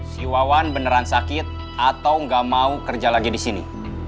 si wawan beneran sakit atau nggak mau kerja lagi di sini